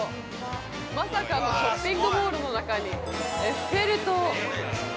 まさかのショッピングモールの中に、エッフェル塔。